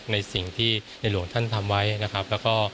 ในสิ่งที่เรียนหลวงท่านทำไว้นะครับ